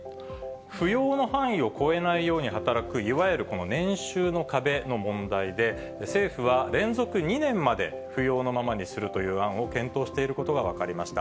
扶養の範囲を超えないように働く、いわゆるこの年収の壁の問題で、政府は連続２年まで扶養のままにするという案を検討していることが分かりました。